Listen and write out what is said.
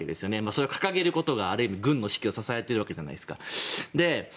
それは掲げることがある意味軍の指揮を支えているじゃないですか。